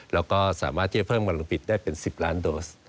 แล้วก็สามารถที่จะเพิ่มกำลังปิดได้เป็น๑๐ล้านโดส